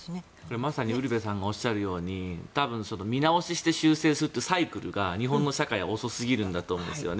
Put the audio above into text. まさにウルヴェさんがおっしゃるように見直して修正するというサイクルが日本の社会は遅すぎるんだと思うんですよね。